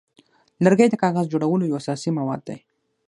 لرګی د کاغذ جوړولو یو اساسي مواد دی.